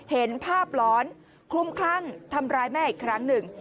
เห็นภาพร้อนคลุมคลั่งทำร้ายแม่อีกครั้งหนึ่ง